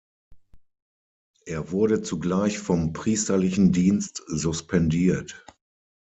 Er wurde zugleich vom priesterlichen Dienst suspendiert.